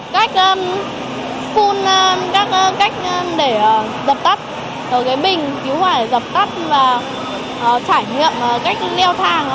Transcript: các khuôn các cách để dập tắt bình cứu hỏa để dập tắt và trải nghiệm cách leo thang